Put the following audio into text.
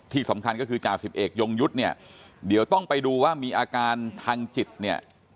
ที่สำคัญก็คือจ่าสิบเอกยงยุทธ์เนี่ยเดี๋ยวต้องไปดูว่ามีอาการทางจิตเนี่ย